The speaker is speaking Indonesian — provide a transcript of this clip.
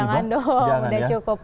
jangan dong udah cukup